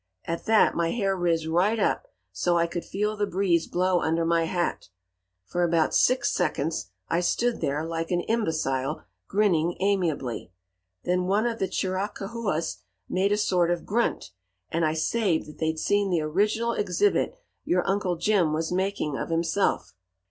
At that my hair riz right up so I could feel the breeze blow under my hat. For about six seconds I stood there like an imbecile, grinning amiably. Then one of the Chiricahuas made a sort of grunt, and I sabed that they'd seen the original exhibit your Uncle Jim was making of himself.